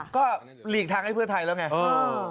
ก็หลีกทางให้เพื่อไทยแล้วไง